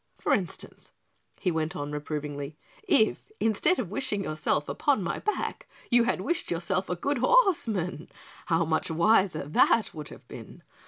For instance," he went on reprovingly, "if instead of wishing yourself upon my back, you had wished yourself a good horseman, how much wiser that would have been.